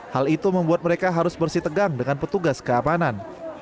hal itu membuat mereka harus bersih tegang dengan petugas keamanan